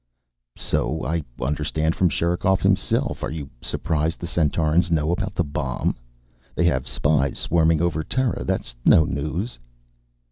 "So I understand from Sherikov himself. Are you surprised the Centaurans know about the bomb? They have spies swarming over Terra. That's no news."